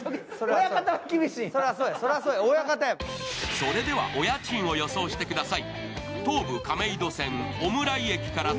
それではお家賃を予想してください。